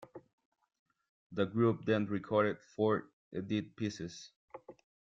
The group then recorded four edit pieces.